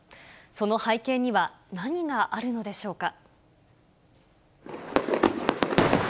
その背景には何があるのでしょうか。